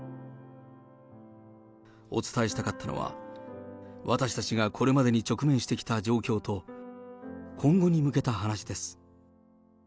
お伝えしたかったのは、私たちがこれまでに直面してきた状況と、今後に向けた話です。